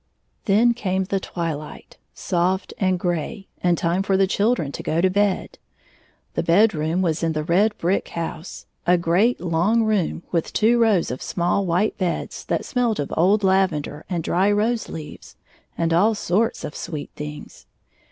Then came the twihght, soft and gray, and time for the children to go to bed. The bedroom was in the red brick house — a great, long room, with two rows of small white beds, that smelt of old lavender and dry rose leaves, and all sorts of sweet things.